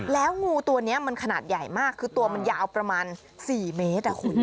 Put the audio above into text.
แล้วงูตัวนี้มันขนาดใหญ่มากคือตัวมันยาวประมาณ๔เมตรคุณ